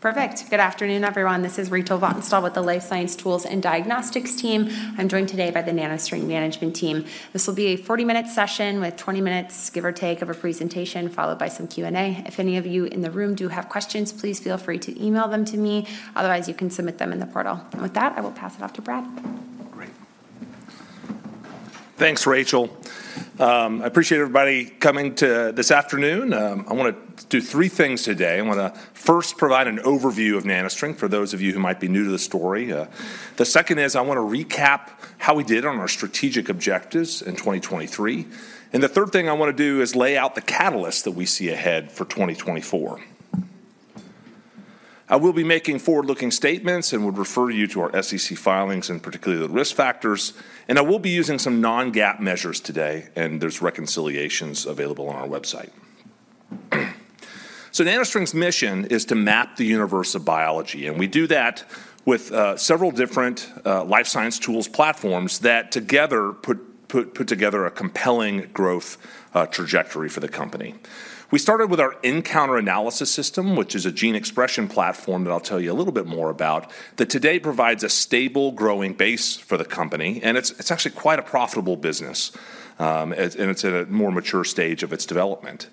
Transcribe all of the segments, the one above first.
Perfect! Good afternoon, everyone. This is Rachel Vatnsdal with the Life Science Tools and Diagnostics team. I'm joined today by the NanoString management team. This will be a 40-minute session with 20 minutes, give or take, of a presentation, followed by some Q&A. If any of you in the room do have questions, please feel free to email them to me. Otherwise, you can submit them in the portal. With that, I will pass it off to Brad. Great. Thanks, Rachel. I appreciate everybody coming to this afternoon. I wanna do three things today. I wanna first provide an overview of NanoString for those of you who might be new to the story. The second is, I want to recap how we did on our strategic objectives in 2023. And the third thing I want to do is lay out the catalyst that we see ahead for 2024. I will be making forward-looking statements and would refer you to our SEC filings, and particularly the risk factors, and I will be using some non-GAAP measures today, and there's reconciliations available on our website. So NanoString's mission is to map the universe of biology, and we do that with several different life science tools platforms that together put together a compelling growth trajectory for the company. We started with our nCounter Analysis System, which is a gene expression platform that I'll tell you a little bit more about, that today provides a stable, growing base for the company, and it's actually quite a profitable business. And it's in a more mature stage of its development.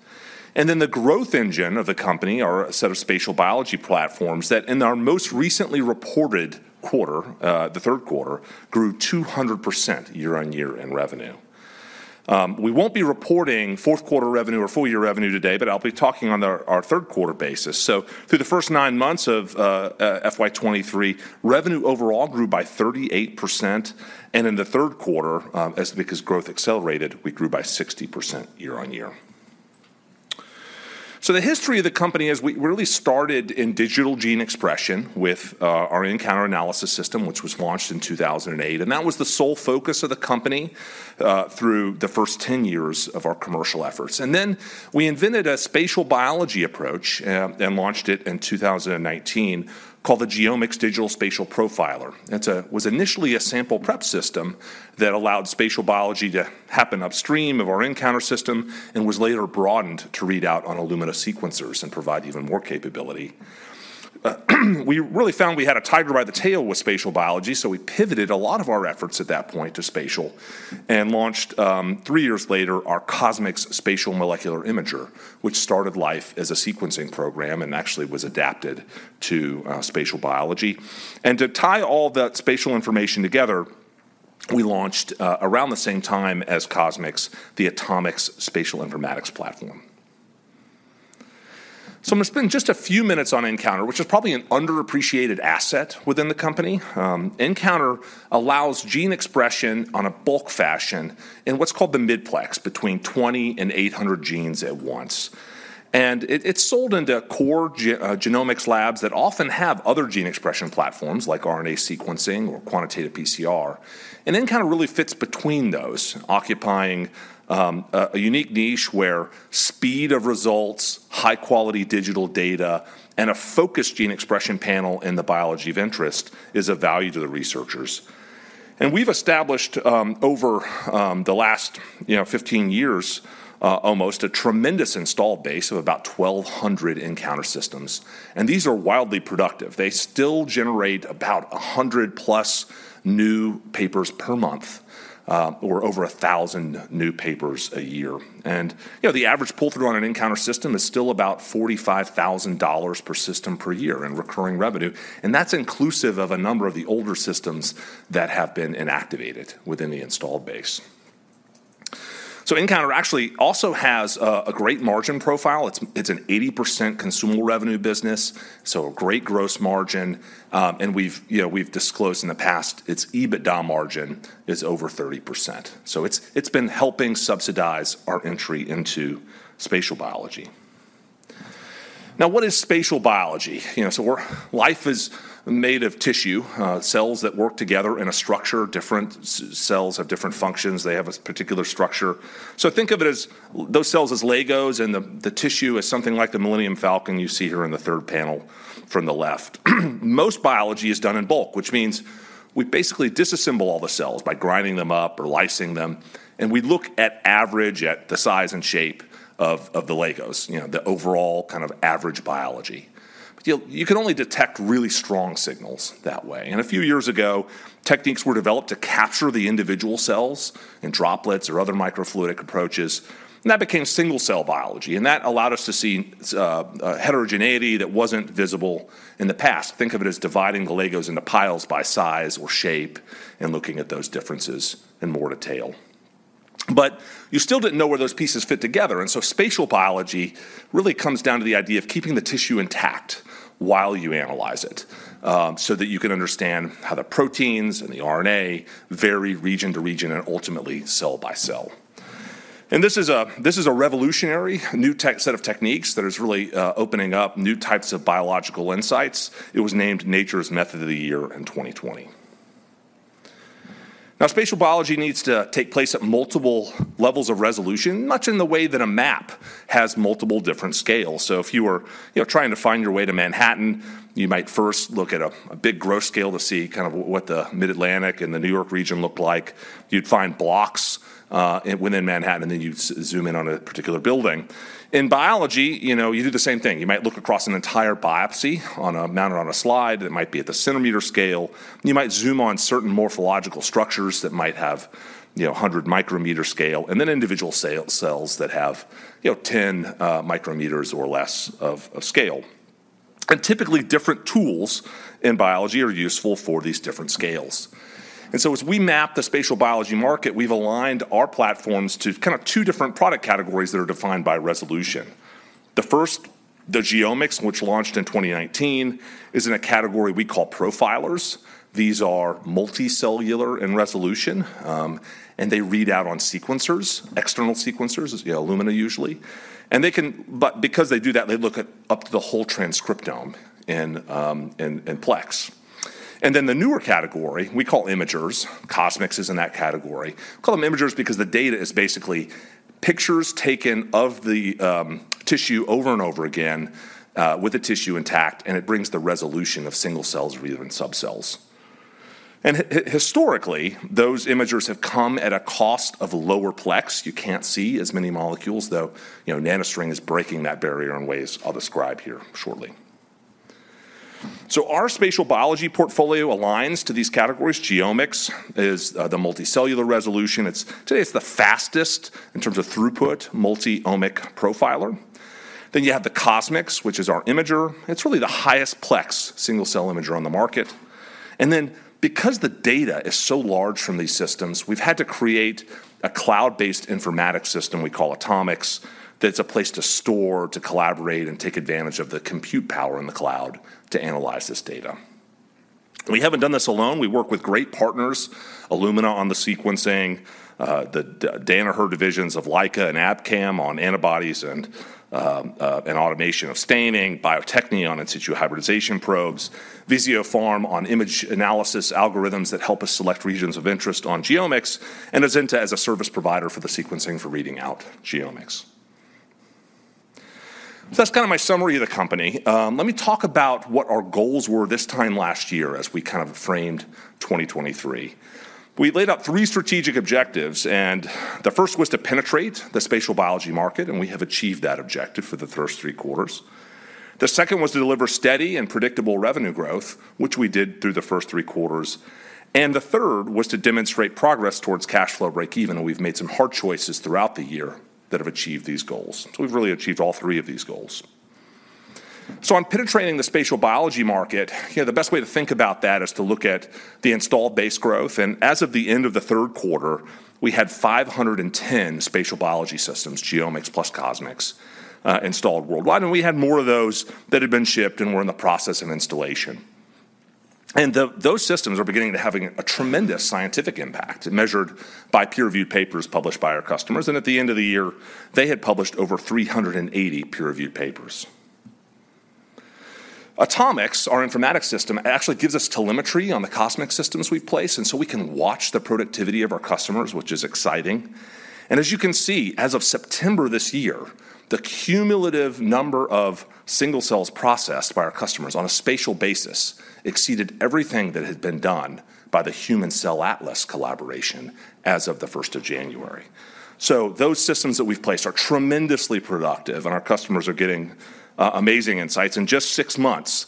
And then the growth engine of the company are a set of spatial biology platforms that in our most recently reported quarter, the third quarter, grew 200% year-on-year in revenue. We won't be reporting fourth quarter revenue or full year revenue today, but I'll be talking on our third quarter basis. So through the first nine months of FY 2023, revenue overall grew by 38%, and in the third quarter, as because growth accelerated, we grew by 60% year-on-year. So the history of the company is we really started in digital gene expression with our nCounter Analysis System, which was launched in 2008, and that was the sole focus of the company through the first 10 years of our commercial efforts. And then we invented a spatial biology approach and launched it in 2019, called the GeoMx Digital Spatial Profiler. It was initially a sample prep system that allowed spatial biology to happen upstream of our nCounter system and was later broadened to read out on Illumina sequencers and provide even more capability. We really found we had a tiger by the tail with spatial biology, so we pivoted a lot of our efforts at that point to spatial and launched three years later, our CosMx Spatial Molecular Imager, which started life as a sequencing program and actually was adapted to spatial biology. And to tie all that spatial information together, we launched around the same time as CosMx, the AtoMx Spatial Informatics Platform. So I'm going to spend just a few minutes on nCounter, which is probably an underappreciated asset within the company. nCounter allows gene expression on a bulk fashion in what's called the midplex, between 20 and 800 genes at once. It's sold into core genomics labs that often have other gene expression platforms, like RNA sequencing or quantitative PCR, and then kind of really fits between those, occupying a unique niche where speed of results, high-quality digital data, and a focused gene expression panel in the biology of interest is of value to the researchers. We've established over the last, you know, 15 years almost a tremendous installed base of about 1,200 nCounter systems. These are wildly productive. They still generate about 100+ new papers per month or over 1,000 new papers a year. You know, the average pull-through on an nCounter system is still about $45,000 per system per year in recurring revenue, and that's inclusive of a number of the older systems that have been inactivated within the installed base. So nCounter actually also has a great margin profile. It's an 80% consumable revenue business, so a great gross margin, and we've, you know, we've disclosed in the past, its EBITDA margin is over 30%. So it's been helping subsidize our entry into spatial biology. Now, what is spatial biology? You know, so we're... Life is made of tissue, cells that work together in a structure. Different cells have different functions. They have a particular structure. So think of it as those cells as Legos and the tissue as something like the Millennium Falcon you see here in the third panel from the left. Most biology is done in bulk, which means we basically disassemble all the cells by grinding them up or lysing them, and we look at average at the size and shape of the Legos, you know, the overall kind of average biology. But you can only detect really strong signals that way. And a few years ago, techniques were developed to capture the individual cells in droplets or other microfluidic approaches, and that became single-cell biology, and that allowed us to see heterogeneity that wasn't visible in the past. Think of it as dividing the Legos into piles by size or shape and looking at those differences in more detail. But you still didn't know where those pieces fit together, and so spatial biology really comes down to the idea of keeping the tissue intact while you analyze it, so that you can understand how the proteins and the RNA vary region to region and ultimately cell by cell. And this is a revolutionary new tech- set of techniques that is really opening up new types of biological insights. It was named Nature's Method of the Year in 2020. Now, spatial biology needs to take place at multiple levels of resolution, much in the way that a map has multiple different scales. So if you were, you know, trying to find your way to Manhattan, you might first look at a big gross scale to see kind of what the Mid-Atlantic and the New York region look like. You'd find blocks within Manhattan, and then you'd zoom in on a particular building. In biology, you know, you do the same thing. You might look across an entire biopsy, mounted on a slide, that might be at the centimeter scale. You might zoom on certain morphological structures that might have, you know, a 100 micrometer scale, and then individual cells that have, you know, 10 micrometers or less of scale. And typically, different tools in biology are useful for these different scales. And so as we map the spatial biology market, we've aligned our platforms to kind of two different product categories that are defined by resolution. The first, the GeoMx, which launched in 2019, is in a category we call profilers. These are multicellular in resolution, and they read out on sequencers, external sequencers, as Illumina usually. They can, but because they do that, they look at up to the whole transcriptome in plex. Then the newer category, we call imagers. CosMx is in that category. We call them imagers because the data is basically pictures taken of the tissue over and over again with the tissue intact, and it brings the resolution of single cells rather than sub-cells. And historically, those imagers have come at a cost of lower plex. You can't see as many molecules, though, you know, NanoString is breaking that barrier in ways I'll describe here shortly. So our spatial biology portfolio aligns to these categories. GeoMx is the multicellular resolution. It's, today, the fastest in terms of throughput, multi-omic profiler. Then you have the CosMx, which is our imager. It's really the highest plex single-cell imager on the market. And then because the data is so large from these systems, we've had to create a cloud-based informatics system we call AtoMx, that's a place to store, to collaborate, and take advantage of the compute power in the cloud to analyze this data. We haven't done this alone. We work with great partners, Illumina on the sequencing, the Danaher divisions of Leica and Abcam on antibodies and automation of staining, Bio-Techne on in situ hybridization probes, Visiopharm on image analysis algorithms that help us select regions of interest on GeoMx, and Azenta as a service provider for the sequencing for reading out GeoMx. So that's kind of my summary of the company. Let me talk about what our goals were this time last year as we kind of framed 2023. We laid out three strategic objectives, and the first was to penetrate the spatial biology market, and we have achieved that objective for the first three quarters. The second was to deliver steady and predictable revenue growth, which we did through the first three quarters. And the third was to demonstrate progress towards cash flow breakeven, and we've made some hard choices throughout the year that have achieved these goals. So we've really achieved all three of these goals. So on penetrating the spatial biology market, you know, the best way to think about that is to look at the installed base growth, and as of the end of the third quarter, we had 510 spatial biology systems, GeoMx plus CosMx, installed worldwide, and we had more of those that had been shipped and were in the process of installation. Those systems are beginning to having a tremendous scientific impact, measured by peer-reviewed papers published by our customers, and at the end of the year, they had published over 380 peer-reviewed papers. AtoMx, our informatics system, actually gives us telemetry on the CosMx systems we've placed, and so we can watch the productivity of our customers, which is exciting. As you can see, as of September this year, the cumulative number of single cells processed by our customers on a spatial basis exceeded everything that had been done by the Human Cell Atlas collaboration as of the first of January. So those systems that we've placed are tremendously productive, and our customers are getting amazing insights. In just six months,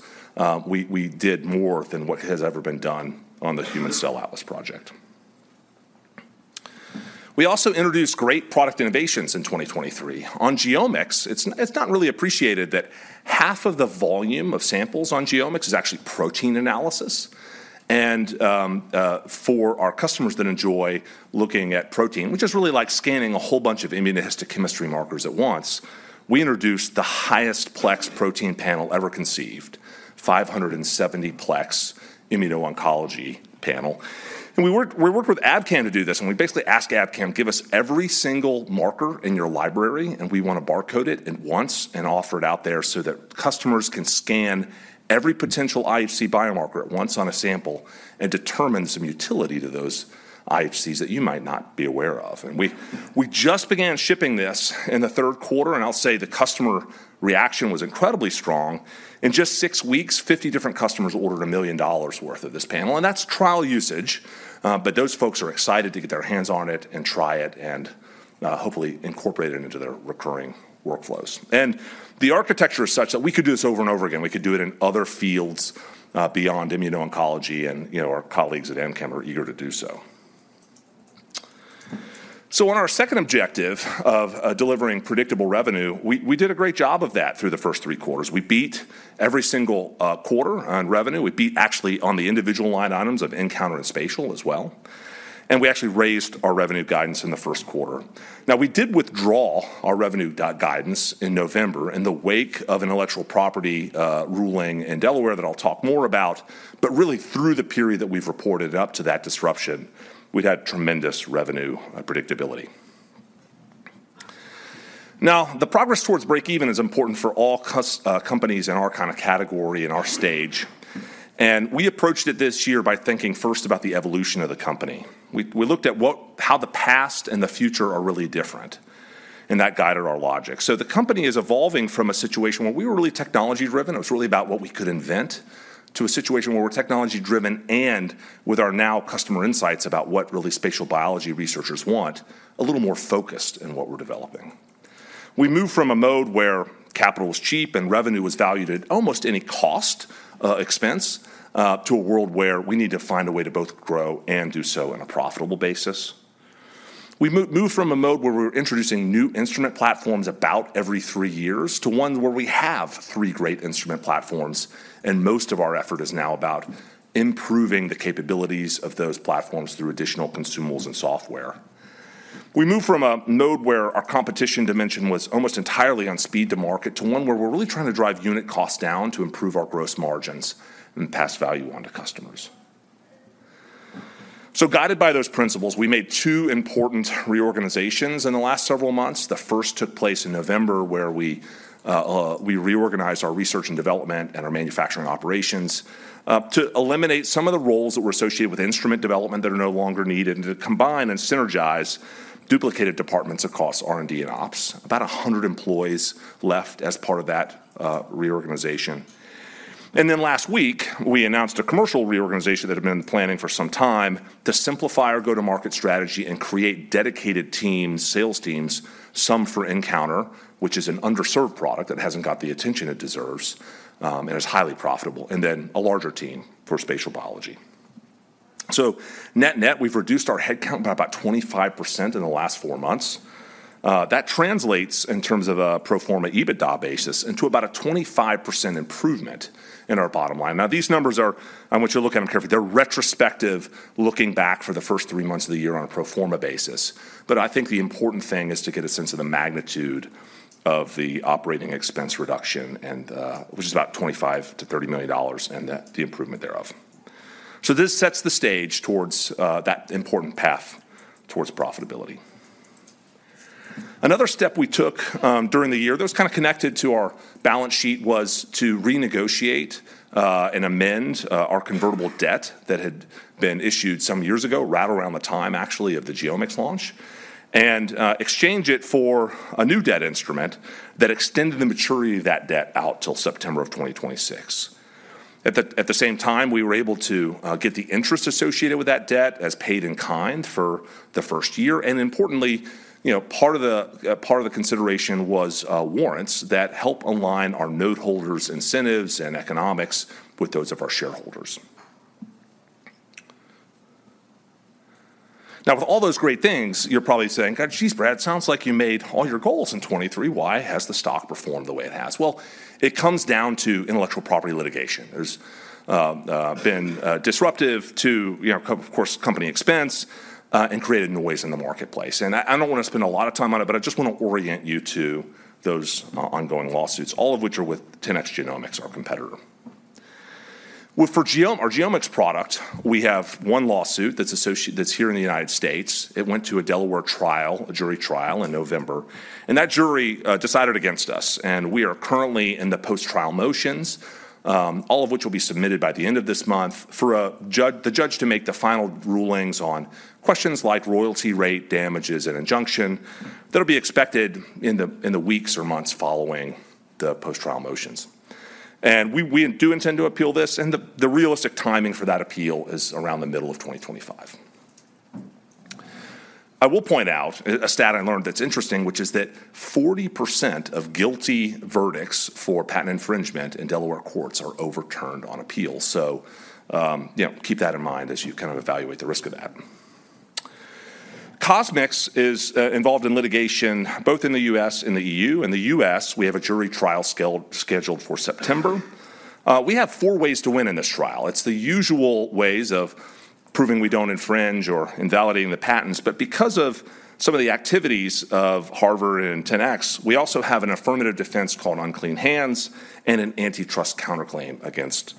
we did more than what has ever been done on the Human Cell Atlas project. We also introduced great product innovations in 2023. On GeoMx, it's not really appreciated that half of the volume of samples on GeoMx is actually protein analysis. For our customers that enjoy looking at protein, which is really like scanning a whole bunch of immunohistochemistry markers at once, we introduced the highest plex protein panel ever conceived, 570-plex immuno-oncology panel. And we worked with Abcam to do this, and we basically asked Abcam, "Give us every single marker in your library, and we want to barcode it at once and offer it out there so that customers can scan every potential IHC biomarker at once on a sample and determine some utility to those IHCs that you might not be aware of." And we just began shipping this in the third quarter, and I'll say the customer reaction was incredibly strong. In just six weeks, 50 different customers ordered $1 million worth of this panel, and that's trial usage, but those folks are excited to get their hands on it and try it and hopefully incorporate it into their recurring workflows. And the architecture is such that we could do this over and over again. We could do it in other fields, beyond immuno-oncology, and, you know, our colleagues at Abcam are eager to do so. So on our second objective of, delivering predictable revenue, we, we did a great job of that through the first three quarters. We beat every single, quarter on revenue. We beat actually on the individual line items of nCounter and spatial as well, and we actually raised our revenue guidance in the first quarter. Now, we did withdraw our revenue guidance in November in the wake of intellectual property, ruling in Delaware that I'll talk more about, but really through the period that we've reported up to that disruption, we've had tremendous revenue, predictability. Now, the progress towards breakeven is important for all customers, companies in our kind of category and our stage, and we approached it this year by thinking first about the evolution of the company. We looked at how the past and the future are really different, and that guided our logic. So the company is evolving from a situation where we were really technology-driven, it was really about what we could invent, to a situation where we're technology-driven and with our now customer insights about what really spatial biology researchers want, a little more focused in what we're developing. We moved from a mode where capital was cheap and revenue was valued at almost any cost, expense, to a world where we need to find a way to both grow and do so on a profitable basis.... We moved from a mode where we were introducing new instrument platforms about every three years to one where we have three great instrument platforms, and most of our effort is now about improving the capabilities of those platforms through additional consumables and software. We moved from a mode where our competition dimension was almost entirely on speed to market, to one where we're really trying to drive unit costs down to improve our gross margins and pass value on to customers. So guided by those principles, we made two important reorganizations in the last several months. The first took place in November, where we reorganized our research and development and our manufacturing operations to eliminate some of the roles that were associated with instrument development that are no longer needed, and to combine and synergize duplicated departments across R&D and ops. About 100 employees left as part of that reorganization. Then last week, we announced a commercial reorganization that had been in planning for some time to simplify our go-to-market strategy and create dedicated teams, sales teams, some for nCounter, which is an underserved product that hasn't got the attention it deserves, and is highly profitable, and then a larger team for spatial biology. So net-net, we've reduced our headcount by about 25% in the last 4 months. That translates, in terms of a pro forma EBITDA basis, into about a 25% improvement in our bottom line. Now, these numbers are... I want you to look at them carefully. They're retrospective, looking back for the first three months of the year on a pro forma basis. But I think the important thing is to get a sense of the magnitude of the operating expense reduction, and, which is about $25 million-$30 million, and the, the improvement thereof. So this sets the stage towards that important path towards profitability. Another step we took during the year, that was kind of connected to our balance sheet, was to renegotiate and amend our convertible debt that had been issued some years ago, right around the time, actually, of the GeoMx launch, and exchange it for a new debt instrument that extended the maturity of that debt out till September of 2026. At the same time, we were able to get the interest associated with that debt as paid in kind for the first year, and importantly, you know, part of the consideration was warrants that help align our noteholders' incentives and economics with those of our shareholders. Now, with all those great things, you're probably saying, "God, geez, Brad, sounds like you made all your goals in 2023. Why has the stock performed the way it has?" Well, it comes down to intellectual property litigation. There's been disruptive to, you know, of course, company expense, and created noise in the marketplace. And I don't want to spend a lot of time on it, but I just want to orient you to those ongoing lawsuits, all of which are with 10x Genomics, our competitor. Well, for Geo, our GeoMx product, we have one lawsuit that's here in the United States. It went to a Delaware trial, a jury trial, in November, and that jury decided against us, and we are currently in the post-trial motions, all of which will be submitted by the end of this month for the judge to make the final rulings on questions like royalty rate, damages, and injunction. That'll be expected in the weeks or months following the post-trial motions. And we do intend to appeal this, and the realistic timing for that appeal is around the middle of 2025. I will point out a stat I learned that's interesting, which is that 40% of guilty verdicts for patent infringement in Delaware courts are overturned on appeal. So, you know, keep that in mind as you kind of evaluate the risk of that. CosMx is involved in litigation both in the U.S. and the E.U. In the U.S., we have a jury trial scheduled for September. We have four ways to win in this trial. It's the usual ways of proving we don't infringe or invalidating the patents, but because of some of the activities of Harvard and 10x, we also have an affirmative defense called unclean hands and an antitrust counterclaim against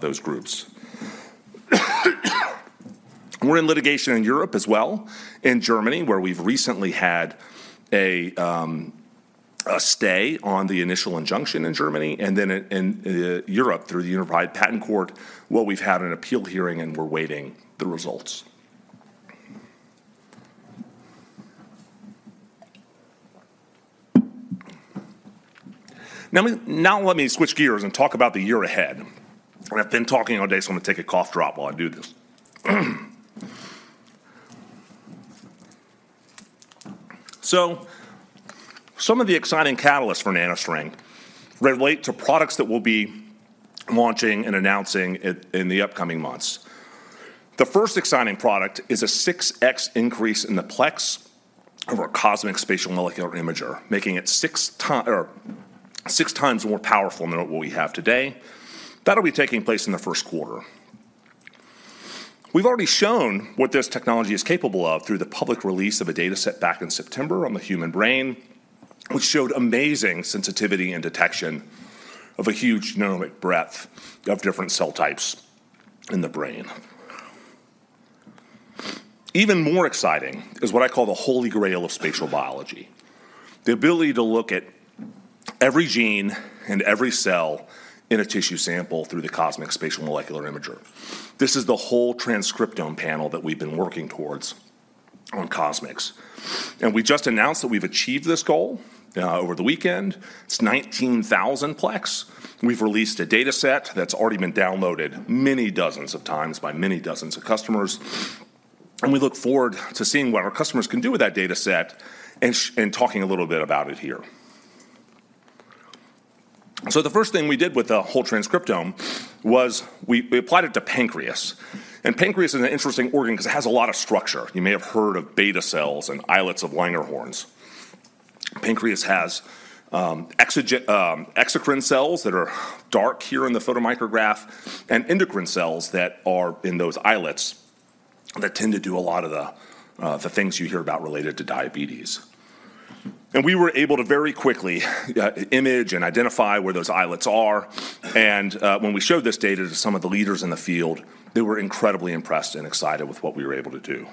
those groups. We're in litigation in Europe as well, in Germany, where we've recently had a stay on the initial injunction in Germany, and then in Europe, through the Unified Patent Court, well, we've had an appeal hearing, and we're waiting the results. Now, let me, now let me switch gears and talk about the year ahead. I've been talking all day, so I'm gonna take a cough drop while I do this. So some of the exciting catalysts for NanoString relate to products that we'll be launching and announcing in, in the upcoming months. The first exciting product is a 6x increase in the plex of our CosMx Spatial Molecular Imager, making it six ti- or 6x more powerful than what we have today. That'll be taking place in the first quarter. We've already shown what this technology is capable of through the public release of a dataset back in September on the human brain, which showed amazing sensitivity and detection of a huge genomic breadth of different cell types in the brain. Even more exciting is what I call the Holy Grail of spatial biology, the ability to look at every gene and every cell in a tissue sample through the CosMx Spatial Molecular Imager. This is the whole transcriptome panel that we've been working towards on CosMx, and we just announced that we've achieved this goal over the weekend. It's 19,000-plex. We've released a dataset that's already been downloaded many dozens of times by many dozens of customers, and we look forward to seeing what our customers can do with that dataset and talking a little bit about it here. So the first thing we did with the whole transcriptome was we applied it to pancreas. Pancreas is an interesting organ 'cause it has a lot of structure. You may have heard of beta cells and islets of Langerhans. Pancreas has exocrine cells that are dark here in the photomicrograph, and endocrine cells that are in those islets, that tend to do a lot of the things you hear about related to diabetes. We were able to very quickly image and identify where those islets are, and when we showed this data to some of the leaders in the field, they were incredibly impressed and excited with what we were able to do.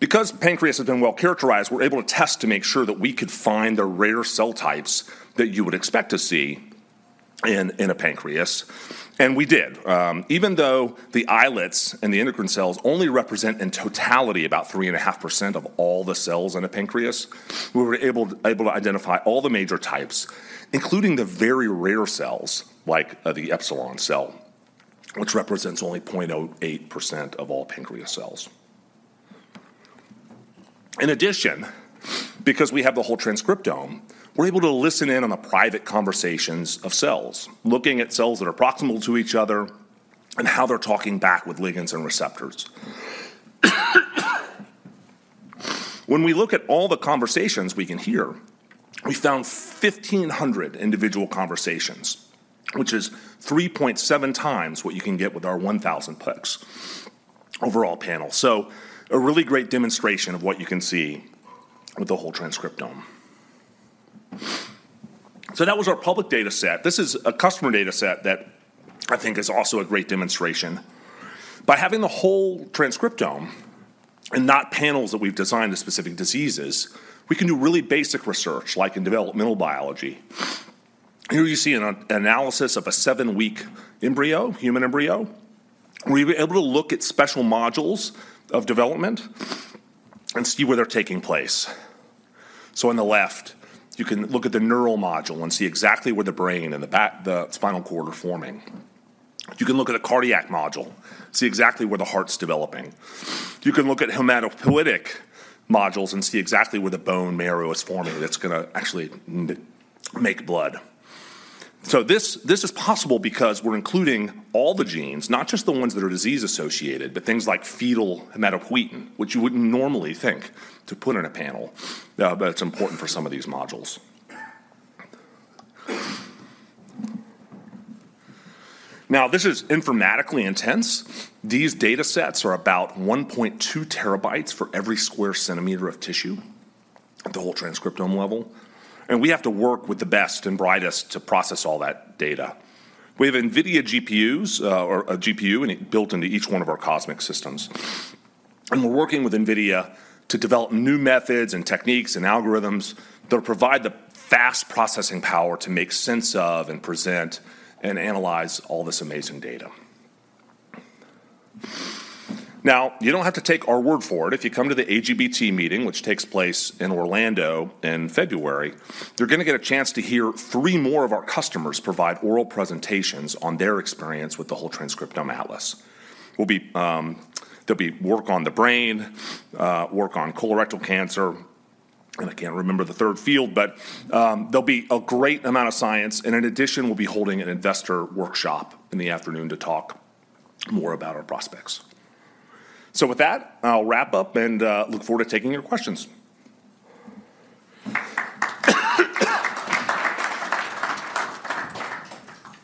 Because pancreas has been well-characterized, we're able to test to make sure that we could find the rare cell types that you would expect to see in a pancreas, and we did. Even though the islets and the endocrine cells only represent, in totality, about 3.5% of all the cells in a pancreas, we were able to identify all the major types, including the very rare cells, like, the epsilon cell, which represents only 0.08% of all pancreas cells. In addition, because we have the whole transcriptome, we're able to listen in on the private conversations of cells, looking at cells that are proximal to each other and how they're talking back with ligands and receptors. When we look at all the conversations we can hear, we found 1,500 individual conversations, which is 3.7x what you can get with our 1,000-plex overall panel. So a really great demonstration of what you can see with the whole transcriptome. So that was our public data set. This is a customer data set that I think is also a great demonstration. By having the whole transcriptome and not panels that we've designed to specific diseases, we can do really basic research, like in developmental biology. Here you see an analysis of a seven week embryo, human embryo. We were able to look at spatial modules of development and see where they're taking place. So on the left, you can look at the neural module and see exactly where the brain and the spinal cord are forming. You can look at a cardiac module, see exactly where the heart's developing. You can look at hematopoietic modules and see exactly where the bone marrow is forming that's gonna actually make blood. So this, this is possible because we're including all the genes, not just the ones that are disease-associated, but things like fetal hematopoietin, which you wouldn't normally think to put in a panel, but it's important for some of these modules. Now, this is informatically intense. These data sets are about 1.2 TB for every sq cm of tissue at the whole transcriptome level, and we have to work with the best and brightest to process all that data. We have NVIDIA GPUs, or a GPU unit built into each one of our CosMx systems. We're working with NVIDIA to develop new methods and techniques and algorithms that provide the fast processing power to make sense of and present and analyze all this amazing data. Now, you don't have to take our word for it. If you come to the AGBT meeting, which takes place in Orlando in February, you're gonna get a chance to hear three more of our customers provide oral presentations on their experience with the whole transcriptome atlas. There'll be work on the brain, work on colorectal cancer, and I can't remember the third field, but there'll be a great amount of science, and in addition, we'll be holding an investor workshop in the afternoon to talk more about our prospects. So with that, I'll wrap up and look forward to taking your questions.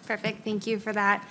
Perfect. Thank you for that.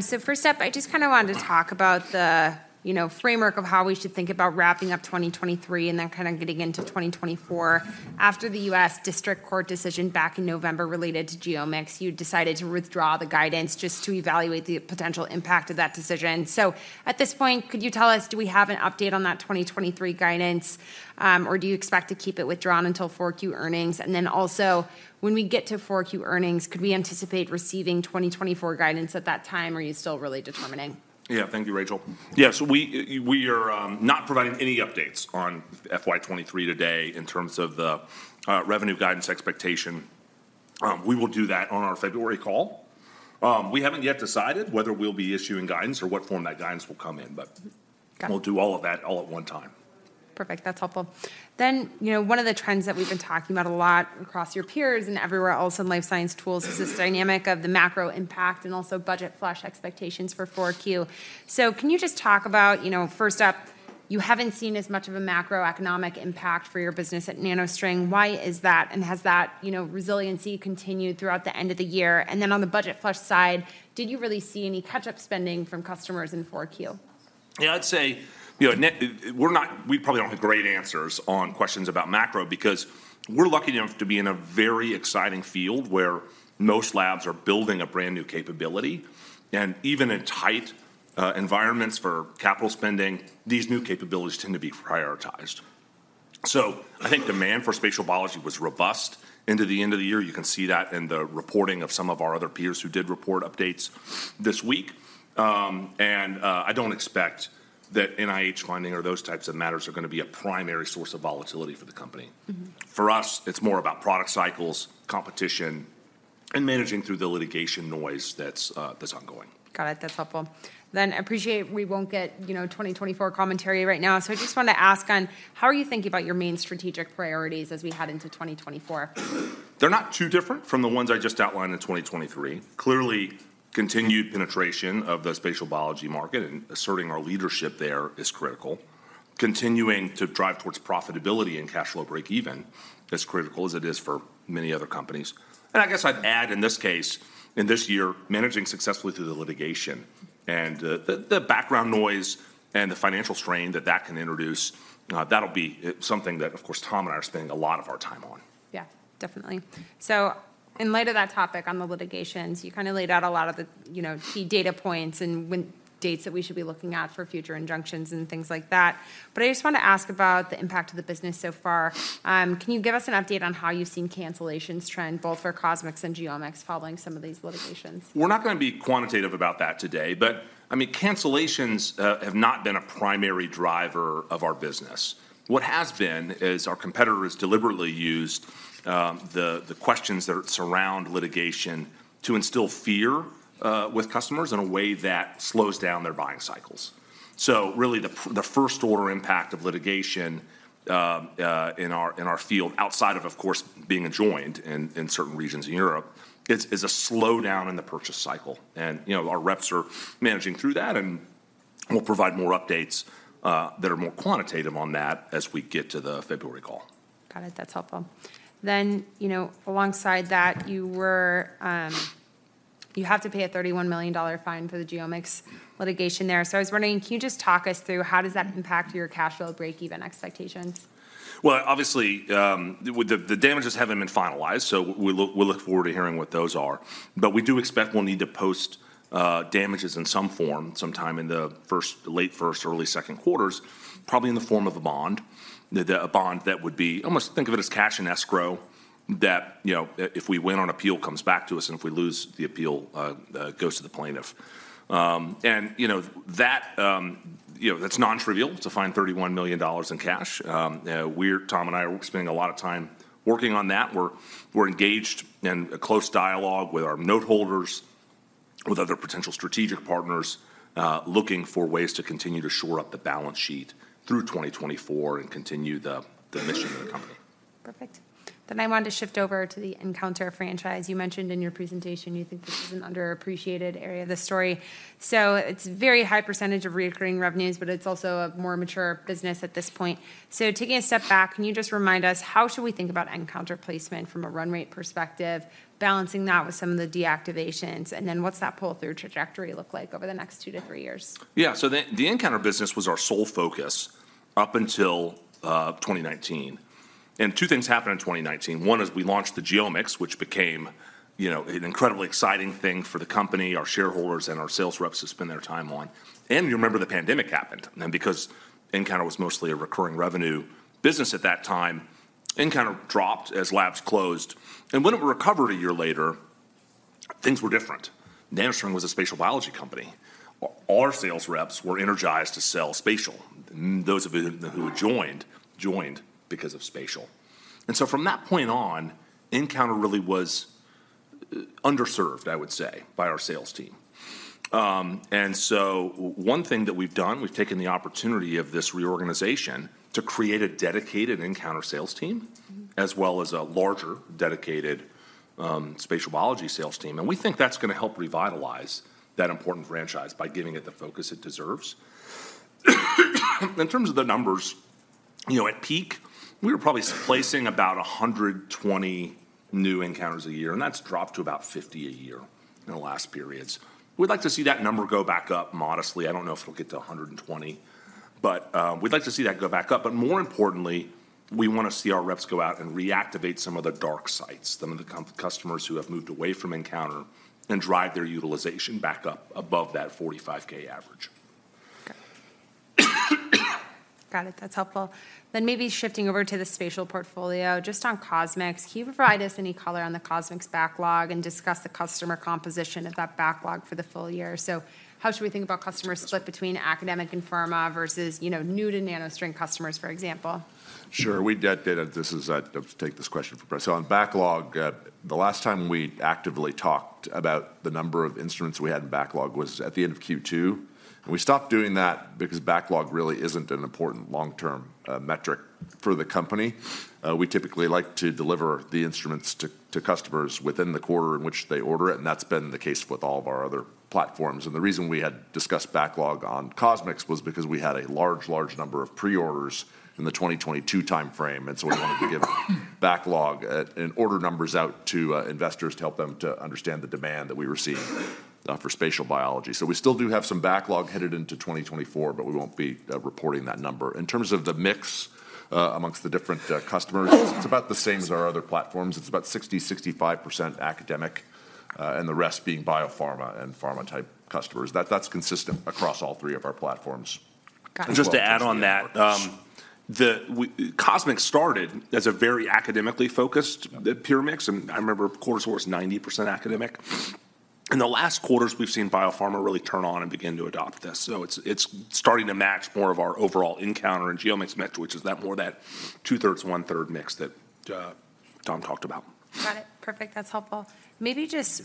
So first up, I just kind of wanted to talk about the, you know, framework of how we should think about wrapping up 2023 and then kind of getting into 2024. After the U.S. District Court decision back in November related to genomics, you decided to withdraw the guidance just to evaluate the potential impact of that decision. So at this point, could you tell us, do we have an update on that 2023 guidance, or do you expect to keep it withdrawn until 4Q earnings? And then also, when we get to 4Q earnings, could we anticipate receiving 2024 guidance at that time, or are you still really determining? Yeah. Thank you, Rachel. Yeah, so we are not providing any updates on FY 2023 today in terms of the revenue guidance expectation. We will do that on our February call. We haven't yet decided whether we'll be issuing guidance or what form that guidance will come in, but- Got it. We'll do all of that all at one time. Perfect. That's helpful. Then, you know, one of the trends that we've been talking about a lot across your peers and everywhere else in life science tools is this dynamic of the macro impact and also budget flush expectations for 4Q. So can you just talk about, you know, first up, you haven't seen as much of a macroeconomic impact for your business at NanoString. Why is that? And has that, you know, resiliency continued throughout the end of the year? And then on the budget flush side, did you really see any catch-up spending from customers in 4Q? Yeah, I'd say, you know, we're not-- we probably don't have great answers on questions about macro because we're lucky enough to be in a very exciting field where most labs are building a brand-new capability, and even in tight environments for capital spending, these new capabilities tend to be prioritized. So I think demand for spatial biology was robust into the end of the year. You can see that in the reporting of some of our other peers who did report updates this week. And, I don't expect that NIH funding or those types of matters are going to be a primary source of volatility for the company. Mm-hmm. For us, it's more about product cycles, competition... and managing through the litigation noise that's ongoing. Got it. That's helpful. Then I appreciate we won't get, you know, 2024 commentary right now, so I just wanted to ask on how are you thinking about your main strategic priorities as we head into 2024? They're not too different from the ones I just outlined in 2023. Clearly, continued penetration of the spatial biology market and asserting our leadership there is critical. Continuing to drive towards profitability and cash flow break-even is critical, as it is for many other companies. And I guess I'd add, in this case, in this year, managing successfully through the litigation and the background noise and the financial strain that that can introduce, that'll be something that, of course, Tom and I are spending a lot of our time on. Yeah, definitely. So in light of that topic on the litigations, you kind of laid out a lot of the, you know, key data points and when dates that we should be looking at for future injunctions and things like that. But I just want to ask about the impact of the business so far. Can you give us an update on how you've seen cancellations trend, both for CosMx and GeoMx, following some of these litigations? We're not going to be quantitative about that today, but, I mean, cancellations have not been a primary driver of our business. What has been is our competitors deliberately used the questions that surround litigation to instill fear with customers in a way that slows down their buying cycles. So really, the first-order impact of litigation in our field, outside of course, being enjoined in certain regions in Europe, is a slowdown in the purchase cycle. And, you know, our reps are managing through that, and we'll provide more updates that are more quantitative on that as we get to the February call. Got it. That's helpful. Then, you know, alongside that, you were... You have to pay a $31 million fine for the GeoMx litigation there. So I was wondering, can you just talk us through how does that impact your cash flow break-even expectations? Well, obviously, the damages haven't been finalized, so we look forward to hearing what those are. But we do expect we'll need to post damages in some form sometime in the late first or early second quarters, probably in the form of a bond. A bond that would be almost think of it as cash in escrow that, you know, if we win on appeal, comes back to us, and if we lose the appeal, goes to the plaintiff. And, you know, that's non-trivial to find $31 million in cash. Tom and I are spending a lot of time working on that. We're engaged in a close dialogue with our note holders, with other potential strategic partners, looking for ways to continue to shore up the balance sheet through 2024 and continue the mission of the company. Perfect. Then I wanted to shift over to the nCounter franchise. You mentioned in your presentation you think this is an underappreciated area of the story. So it's very high percentage of recurring revenues, but it's also a more mature business at this point. So taking a step back, can you just remind us, how should we think about nCounter placement from a run rate perspective, balancing that with some of the deactivations? And then what's that pull-through trajectory look like over the next two to three years? Yeah. So the nCounter business was our sole focus up until 2019. And two things happened in 2019. One is we launched the GeoMx, which became, you know, an incredibly exciting thing for the company, our shareholders, and our sales reps to spend their time on. And you remember the pandemic happened, and because nCounter was mostly a recurring revenue business at that time, nCounter dropped as labs closed. And when it recovered a year later, things were different. NanoString was a spatial biology company. Our sales reps were energized to sell spatial. Those of us who joined, joined because of spatial. And so from that point on, nCounter really was underserved, I would say, by our sales team. One thing that we've done, we've taken the opportunity of this reorganization to create a dedicated nCounter sales team- Mm-hmm... as well as a larger, dedicated, spatial biology sales team. We think that's going to help revitalize that important franchise by giving it the focus it deserves. In terms of the numbers, you know, at peak, we were probably placing about 120 new nCounters a year, and that's dropped to about 50 a year in the last periods. We'd like to see that number go back up modestly. I don't know if it'll get to 120, but, we'd like to see that go back up. But more importantly, we want to see our reps go out and reactivate some of the dark sites, some of the current customers who have moved away from nCounter, and drive their utilization back up above that 45K average. Okay. Got it. That's helpful. Then maybe shifting over to the spatial portfolio, just on CosMx, can you provide us any color on the CosMx backlog and discuss the customer composition of that backlog for the full year? So how should we think about customer split between academic and pharma versus, you know, new to NanoString customers, for example? Sure, we get data. This is... I'll take this question for press. So on backlog, the last time we actively talked about the number of instruments we had in backlog was at the end of Q2, and we stopped doing that because backlog really isn't an important long-term metric for the company. We typically like to deliver the instruments to, to customers within the quarter in which they order it, and that's been the case with all of our other platforms. And the reason we had discussed backlog on CosMx was because we had a large, large number of pre-orders in the 2022 timeframe, and so we wanted to give backlog and order numbers out to investors to help them to understand the demand that we received for spatial biology. So we still do have some backlog headed into 2024, but we won't be reporting that number. In terms of the mix, among the different customers, it's about the same as our other platforms. It's about 60%-65% academic, and the rest being biopharma and pharma-type customers. That's consistent across all three of our platforms. Got it. Just to add on that, CosMx started as a very academically focused platform, and I remember quarters were 90% academic. In the last quarters, we've seen biopharma really turn on and begin to adopt this. So it's starting to match more of our overall nCounter and GeoMx mix, which is more of a two-thirds, one-third mix that Tom talked about. Got it. Perfect, that's helpful. Maybe just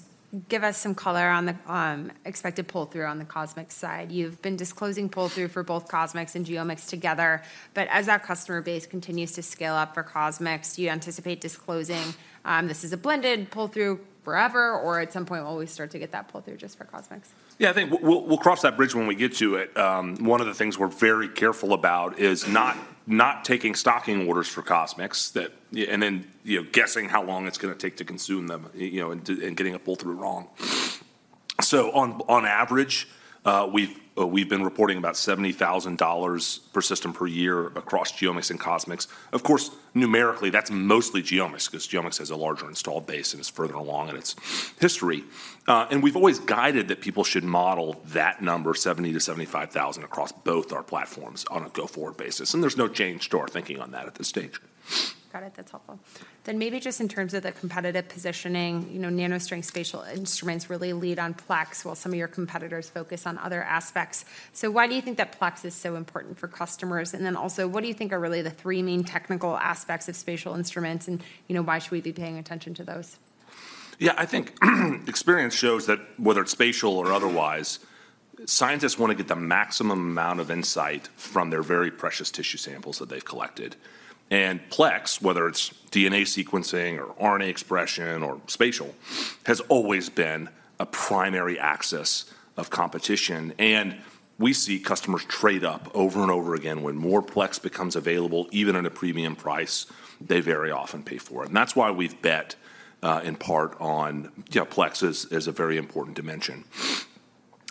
give us some color on the expected pull-through on the CosMx side. You've been disclosing pull-through for both CosMx and GeoMx together, but as our customer base continues to scale up for CosMx, do you anticipate disclosing this as a blended pull-through forever, or at some point, will we start to get that pull-through just for CosMx? Yeah, I think we'll cross that bridge when we get to it. One of the things we're very careful about is not taking stocking orders for CosMx that yeah, and then, you know, guessing how long it's gonna take to consume them, you know, and getting a pull-through wrong. So on average, we've been reporting about $70,000 per system per year across GeoMx and CosMx. Of course, numerically, that's mostly GeoMx, because GeoMx has a larger installed base and is further along in its history. And we've always guided that people should model that number, $70,000-$75,000, across both our platforms on a go-forward basis, and there's no change to our thinking on that at this stage. Got it. That's helpful. Then maybe just in terms of the competitive positioning, you know, NanoString spatial instruments really lead on plex, while some of your competitors focus on other aspects. So why do you think that plex is so important for customers? And then also, what do you think are really the three main technical aspects of spatial instruments, and, you know, why should we be paying attention to those? Yeah, I think experience shows that whether it's spatial or otherwise, scientists want to get the maximum amount of insight from their very precious tissue samples that they've collected. And plex, whether it's DNA sequencing or RNA expression or spatial, has always been a primary axis of competition, and we see customers trade up over and over again. When more plex becomes available, even at a premium price, they very often pay for it, and that's why we've bet in part on, you know, plex as a very important dimension.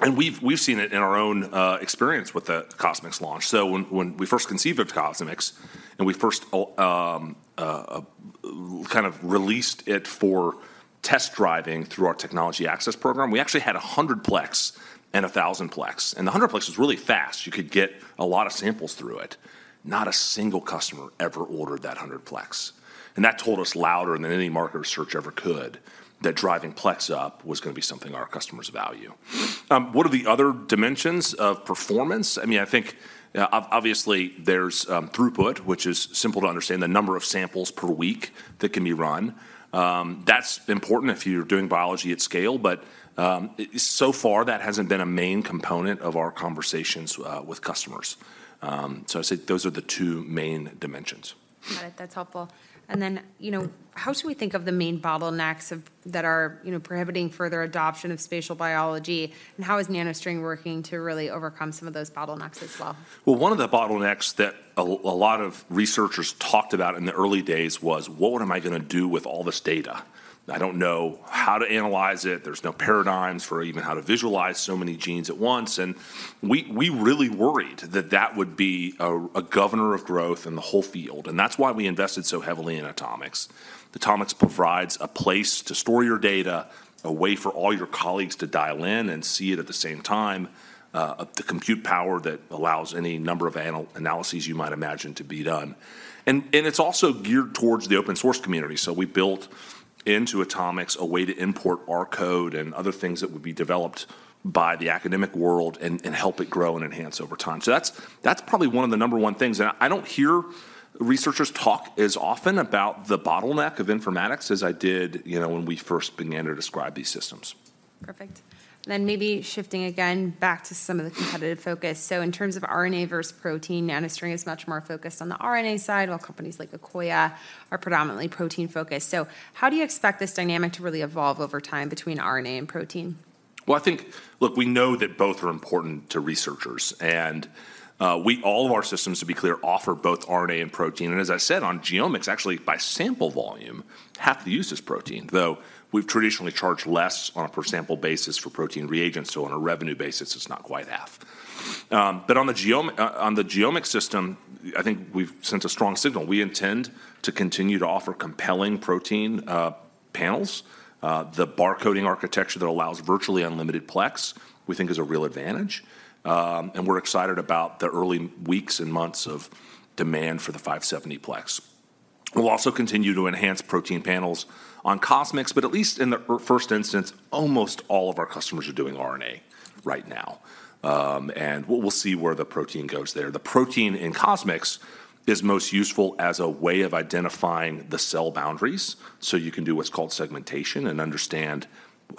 And we've seen it in our own experience with the CosMx launch. So when we first conceived of CosMx, and we first kind of released it for test driving through our Technology Access Program, we actually had 100 plex and 1,000 plex, and the 100 plex was really fast. You could get a lot of samples through it. Not a single customer ever ordered that 100-plex, and that told us louder than any market research ever could, that driving plex up was gonna be something our customers value. What are the other dimensions of performance? I mean, I think, obviously, there's throughput, which is simple to understand, the number of samples per week that can be run. That's important if you're doing biology at scale, but, so far, that hasn't been a main component of our conversations with customers. So I'd say those are the two main dimensions. Got it. That's helpful. And then, you know- Yeah... how should we think of the main bottlenecks that are, you know, prohibiting further adoption of spatial biology, and how is NanoString working to really overcome some of those bottlenecks as well? Well, one of the bottlenecks that a lot of researchers talked about in the early days was, "What am I gonna do with all this data? I don't know how to analyze it. There's no paradigms for even how to visualize so many genes at once." And we really worried that that would be a governor of growth in the whole field, and that's why we invested so heavily in AtoMx. AtoMx provides a place to store your data, a way for all your colleagues to dial in and see it at the same time, the compute power that allows any number of analyses you might imagine to be done. And it's also geared towards the open source community. So we built into AtoMx a way to import R code and other things that would be developed by the academic world and, and help it grow and enhance over time. So that's, that's probably one of the number one things, and I don't hear researchers talk as often about the bottleneck of informatics as I did, you know, when we first began to describe these systems. Perfect. Then maybe shifting again back to some of the competitive focus. So in terms of RNA versus protein, NanoString is much more focused on the RNA side, while companies like Akoya are predominantly protein-focused. So how do you expect this dynamic to really evolve over time between RNA and protein? Well, I think... Look, we know that both are important to researchers, and we all of our systems, to be clear, offer both RNA and protein. And as I said, on GeoMx, actually, by sample volume, half the use is protein, though we've traditionally charged less on a per-sample basis for protein reagents, so on a revenue basis, it's not quite half. But on the GeoMx system, I think we've sent a strong signal. We intend to continue to offer compelling protein panels. The barcoding architecture that allows virtually unlimited plex, we think is a real advantage. And we're excited about the early weeks and months of demand for the 570-plex. We'll also continue to enhance protein panels on CosMx, but at least in the first instance, almost all of our customers are doing RNA right now. And we'll see where the protein goes there. The protein in CosMx is most useful as a way of identifying the cell boundaries, so you can do what's called segmentation and understand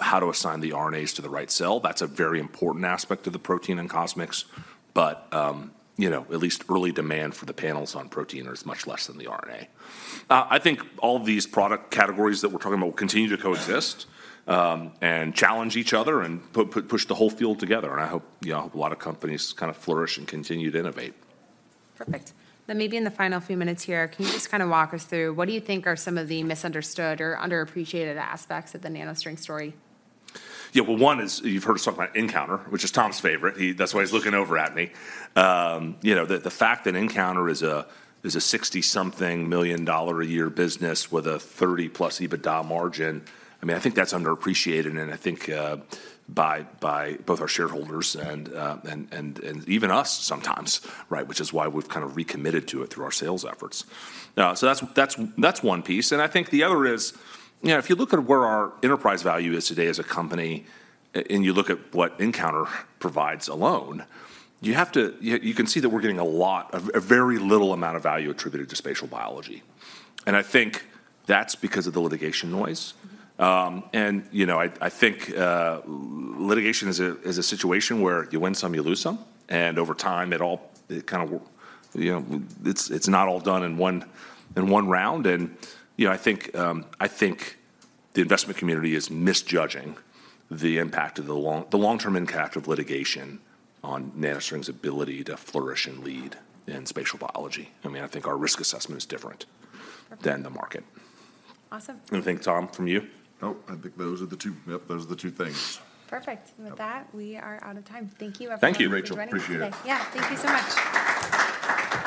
how to assign the RNAs to the right cell. That's a very important aspect of the protein in CosMx, but, you know, at least early demand for the panels on protein is much less than the RNA. I think all these product categories that we're talking about will continue to coexist, and challenge each other and push the whole field together, and I hope, you know, a lot of companies kind of flourish and continue to innovate. Perfect. Then maybe in the final few minutes here, can you just kind of walk us through, what do you think are some of the misunderstood or underappreciated aspects of the NanoString story? Yeah, well, one is, you've heard us talk about nCounter, which is Tom's favorite. He- that's why he's looking over at me. You know, the fact that nCounter is a 60-something million dollar a year business with a 30+ EBITDA margin, I mean, I think that's underappreciated, and I think by both our shareholders and even us sometimes, right? Which is why we've kind of recommitted to it through our sales efforts. So that's one piece, and I think the other is, you know, if you look at where our enterprise value is today as a company, and you look at what nCounter provides alone, you have to... Yeah, you can see that we're getting a lot of- a very little amount of value attributed to spatial biology, and I think that's because of the litigation noise. And, you know, I think litigation is a situation where you win some, you lose some, and over time, it all kind of... You know, it's not all done in one round. And, you know, I think the investment community is misjudging the impact of the long-term impact of litigation on NanoString's ability to flourish and lead in spatial biology. I mean, I think our risk assessment is different- Perfect... than the market. Awesome. Anything, Tom, from you? Nope, I think those are the two... Yep, those are the two things. Perfect. Yeah. With that, we are out of time. Thank you, everyone. Thank you, Rachel.... for joining. Appreciate it. Yeah, thank you so much.